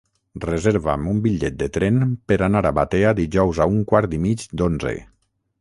Reserva'm un bitllet de tren per anar a Batea dijous a un quart i mig d'onze.